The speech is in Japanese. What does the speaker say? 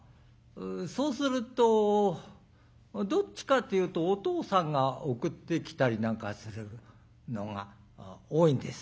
そうするとどっちかっていうとお父さんが送ってきたりなんかするのが多いんですね。